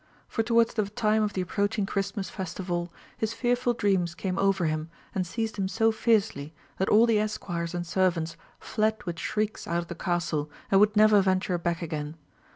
For towards the time of the approaching Christmas festival his fearful dreams came over him, and seized him so fiercely, that all the esquires and servants fled with shrieks out of the castle, and would never venture back again.